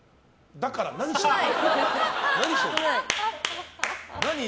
だから何してんの？